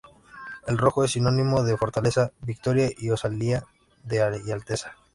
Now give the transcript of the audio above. El rojo es sinónimo de fortaleza, victoria y osadía y alteza.